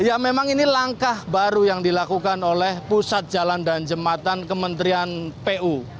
ya memang ini langkah baru yang dilakukan oleh pusat jalan dan jembatan kementerian pu